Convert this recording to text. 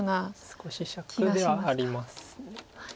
少ししゃくではあります。